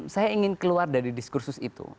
saya ingin keluar dari diskursus itu